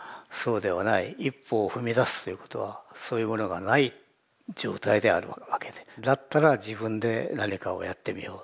一歩を踏み出すということはそういうものがない状態であるわけでだったら自分で何かをやってみよう。